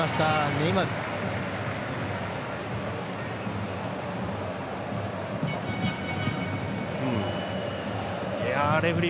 ネイマール。